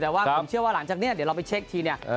แต่ว่าผมเชื่อว่าหลังจากนี้เดี๋ยวเราไปเช็คอีกทีเนี่ย